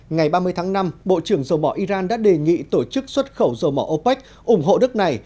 ngày ba mươi tháng năm bộ trưởng dầu mỏ iran đã đề nghị tổ chức xuất khẩu dầu mỏ opec ủng hộ nước này